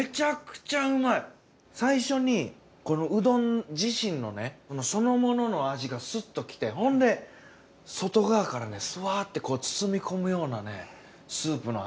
最初にこのうどん自身のねそのものの味がスッときてほんで外側からフワッて包み込むようなねスープの味。